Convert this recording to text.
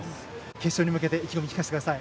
決勝に向けて意気込み、聞かせてください。